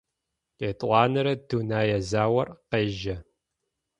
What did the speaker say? Ятӏонэрэ дунэе заор къежьэ.